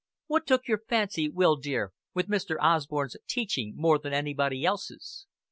"What took your fancy, Will dear, with Mr. Osborn's teaching more than anybody else's?"